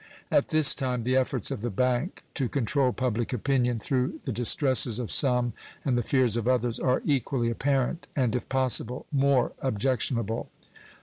At this time the efforts of the bank to control public opinion, through the distresses of some and the fears of others, are equally apparent, and, if possible, more objectionable.